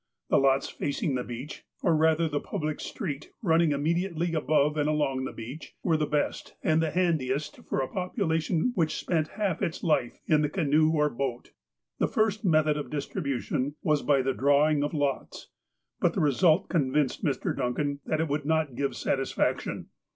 The lots faciug the beach, or rather the public street, ruuniug immediately above and along the beach, were the best and the handiest for a population which spent half of its life in the cauoe or boat. The first method of distribution was by the drawing of lots. But the result convinced Mr. Duncan that it would not give satisfaction.